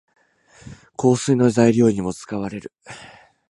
香水の材料にも使われる。